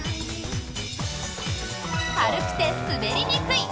軽くて滑りにくい！